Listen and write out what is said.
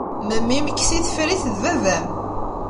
Memmi-m, kkes-it, ffer-it, d baba-m.